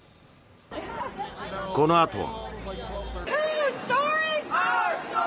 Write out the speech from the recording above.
このあとは。